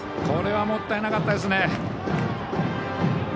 これはもったいなかったですね。